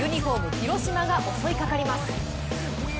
広島が襲いかかります。